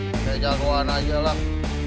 kayak jauhan aja lah